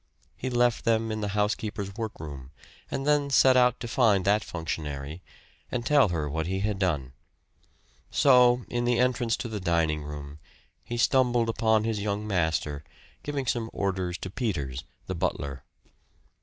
He left them in the housekeeper's workroom and then set out to find that functionary, and tell her what he had done. So, in the entrance to the dining room, he stumbled upon his young master, giving some orders to Peters, the butler.